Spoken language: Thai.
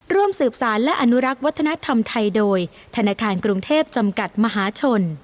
ร่วมสืบสารและอนุรักษ์วัฒนธรรมไทยโดยธนาคารกรุงเทพจำกัดมหาชน